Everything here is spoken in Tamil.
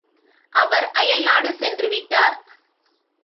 அவர் அயல்நாடு சென்று விட்டார்.